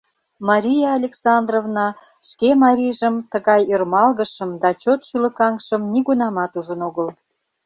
Мария Александровна шке марийжым тыгай ӧрмалгышым да чот шӱлыкаҥшым нигунамат ужын огыл.